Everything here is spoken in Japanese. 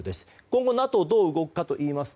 今後ＮＡＴＯはどう動くか。